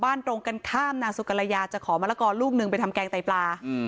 ตรงกันข้ามนางสุกรยาจะขอมะละกอลูกหนึ่งไปทำแกงไตปลา